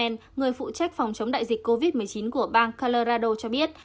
người phụ trách phòng chống đại dịch covid một mươi chín của bang colorado cho biết